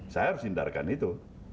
saya harus hindarkan itu